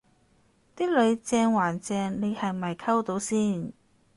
啲女正還正你係咪溝到先